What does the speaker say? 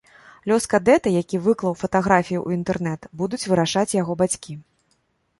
Лёс кадэта, які выклаў фатаграфію ў інтэрнэт, будуць вырашаць яго бацькі.